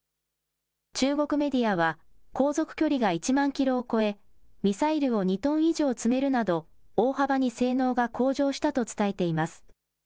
中国メディアは航続距離が１万キロを超え、ミサイルを２トン以上積めるなど大幅に性能が向上したと伝えています。